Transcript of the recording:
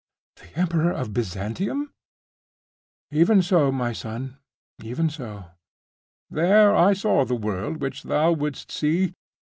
'The Emperor of Byzantium?' 'Even so, my son, even so. There I saw the world which thou wouldst see.